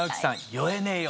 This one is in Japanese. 「酔えねぇよ！」